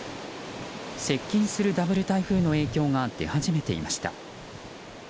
接近するダブル台風の影響が出始めていました。